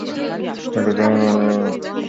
এতো দারুণ একটা প্ল্যান নিমিষেই শেষ করে দিল।